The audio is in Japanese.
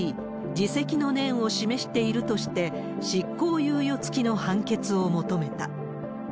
自責の念を示しているとして、執行猶予付きの判決を求めた。